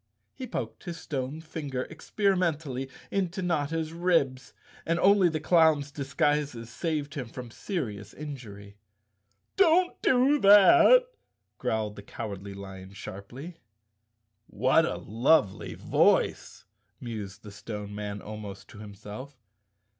He poked his stone finger experimentally into Notta's ribs, and only the clown's disguises saved him from serious injury. " Don't do that," growled the Cowardly Lion sharply. " What a lovely voice," mused the Stone Man almost to himself.